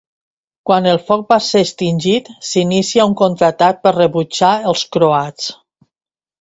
Quan el foc va ser extingit, s'inicia un contraatac per rebutjar els croats.